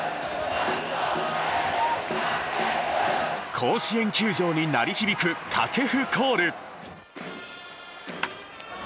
甲子園球場に鳴り響く掛布コール。